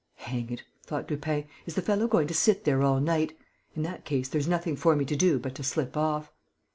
"Hang it!" thought Lupin. "Is the fellow going to sit there all night? In that case, there's nothing for me to do but to slip off...."